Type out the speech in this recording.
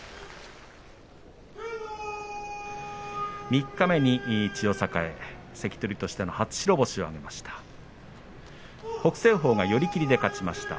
三日目に千代栄関取としての初白星を挙げました。